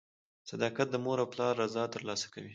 • صداقت د مور او پلار رضا ترلاسه کوي.